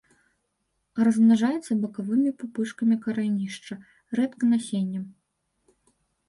Размнажаецца бакавымі пупышкамі карэнішча, рэдка насеннем.